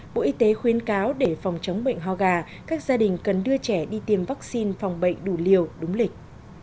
bộ y tế khuyên cáo để phòng chống bệnh ho gà các gia đình cần đưa trẻ đi tiêm vaccine phòng bệnh đủ liều đúng lịch